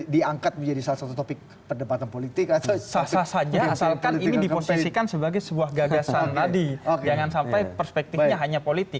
diangkat menjadi salah satu topik perdebatan politik atau saja asalkan ini diposisikan sebagai